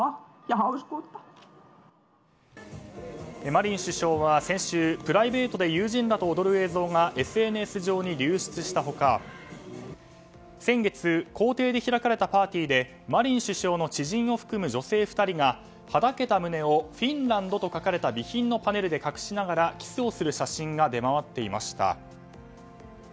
マリン首相は先週プライベートで友人らと踊る映像がＳＮＳ上に流出した他先月公邸で開かれたパーティーでマリン首相の知人を含む女性２人がはだけた胸をフィンランドと書かれた備品のパネルで隠しながらキスをする写真が出回っていました。